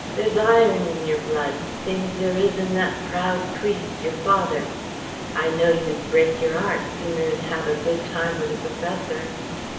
There's iron in yer blood, same as there is in that proud priest, your father. I know you'd break your 'eart sooner 'n have a good time with the professor.